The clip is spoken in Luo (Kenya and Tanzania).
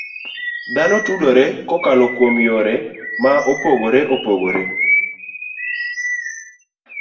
Dhano tudore kokalo kuom yore ma opogore opogore.